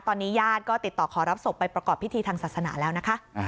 ตอนนี้ญาติก็ติดต่อขอรับศพไปประกอบพิธีทางศาสนาแล้วนะคะ